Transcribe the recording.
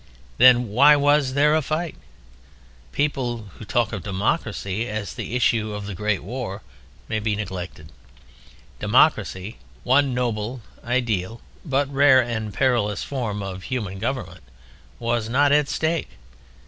Then why was there a fight? People who talk of "Democracy" as the issue of the Great War may be neglected: Democracy—one noble, ideal, but rare and perilous, form of human government—was not at stake.